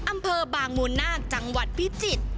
อำเภอบางมูลนาคจังหวัดพิจิตร